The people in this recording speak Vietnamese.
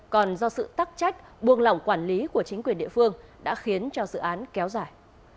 còn do sự tắc trách buông lỏng quản lý của chính quyền địa phương đã khiến cho dự án kéo dài